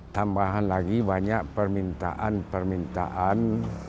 tambahan lagi banyak permintaan permintaan